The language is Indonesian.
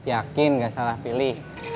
yakin gak salah pilih